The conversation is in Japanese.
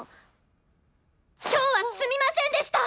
今日はすみませんでした！